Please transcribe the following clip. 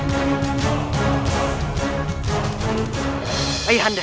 hai ayah anda